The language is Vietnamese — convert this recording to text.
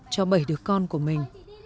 cho bảy đứa con của mình